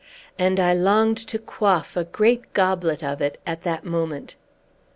And I longed to quaff a great goblet of it that moment!